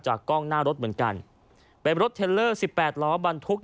กล้องหน้ารถเหมือนกันเป็นรถเทลเลอร์สิบแปดล้อบรรทุก